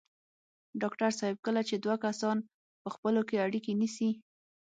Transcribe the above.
ډاکټر صاحب کله چې دوه کسان په خپلو کې اړيکې نیسي.